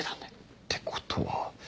ってことは。